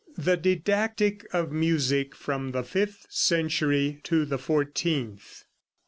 THE DIDACTIC OF MUSIC FROM THE FIFTH CENTURY TO THE FOURTEENTH.